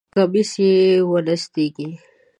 کمیس یې ونستېږی!